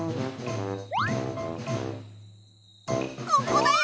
ここだよ！